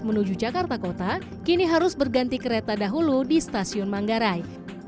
menuju jakarta kota kini harus berganti kereta dahulu di stasiun manggarai